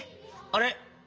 あれ？